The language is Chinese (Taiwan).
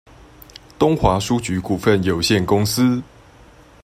東華書局股份有限公司